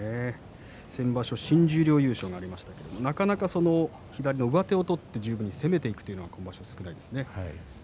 先場所、新十両優勝がありましたが、なかなか左の上手を取って十分に攻めていくというのが今場所少ないですね。